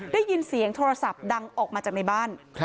ได้ยินเสียงโทรศัพท์ดังออกมาจากในบ้าน